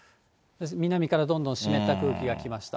南からどんどん湿った空気が来ました。